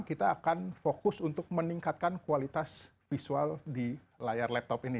kita akan fokus untuk meningkatkan kualitas visual di layar laptop ini